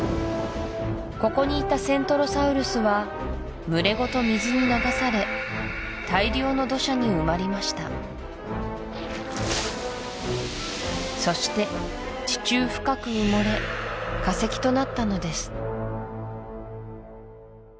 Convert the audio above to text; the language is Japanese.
ここにいたセントロサウルスは群れごと水に流され大量の土砂に埋まりましたそして地中深く埋もれ化石となったのです